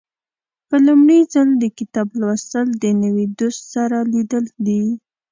په لومړي ځل د کتاب لوستل د نوي دوست سره لیدل دي.